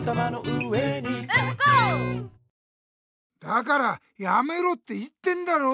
だからやめろって言ってんだろ！